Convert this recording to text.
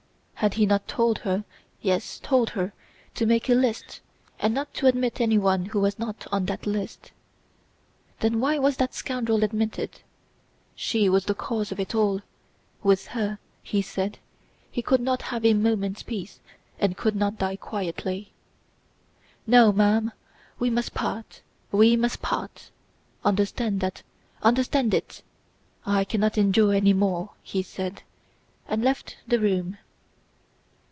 Had he not told her, yes, told her to make a list, and not to admit anyone who was not on that list? Then why was that scoundrel admitted? She was the cause of it all. With her, he said, he could not have a moment's peace and could not die quietly. "No, ma'am! We must part, we must part! Understand that, understand it! I cannot endure any more," he said, and left the room.